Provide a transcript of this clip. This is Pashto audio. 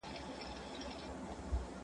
زه لاس مينځلي دي.